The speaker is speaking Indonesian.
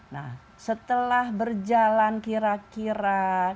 nah setelah berjalan kira kira